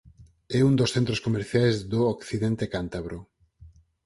É un dos centros comerciais do Occidente cántabro.